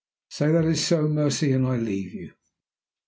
Say that it is so, Mercy, and I leave you."